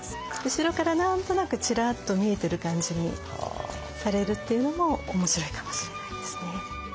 後ろから何となくチラッと見えてる感じにされるっていうのも面白いかもしれないですね。